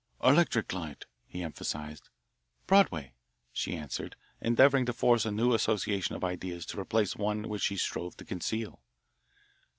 "Electric light," he emphasised. "Broadway," she answered, endeavouring to force a new association of ideas to replace one which she strove to conceal.